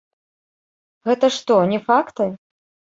Гэта што, не факты?